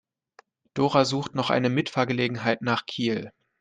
Dora sucht noch eine Mitfahrgelegenheit nach Kiel.